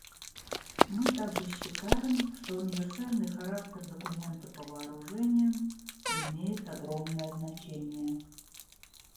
Мы также считаем, что универсальный характер документа по вооружениям имеет огромное значение.